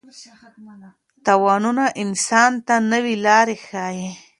تاوانونه انسان ته نوې لارې ښيي.